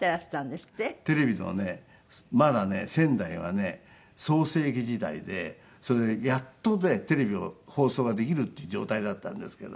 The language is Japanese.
テレビのねまだね仙台はね創生期時代でやっとねテレビを放送ができるっていう状態だったんですけど。